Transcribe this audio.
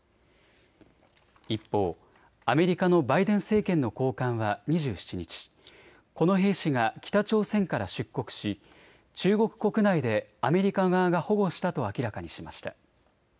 一方、アメリカのバイデン政権の高官は２７日、この兵士が北朝鮮から出国し中国国内でアメリカ側が保護したと明らかにしました。